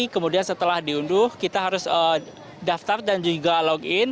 kemudian setelah diunduh kita harus daftar dan juga login